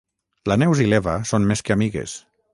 La Neus i l'Eva són més que amigues.